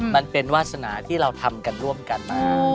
มันเป็นวาสนาที่เราทำกันร่วมกันมา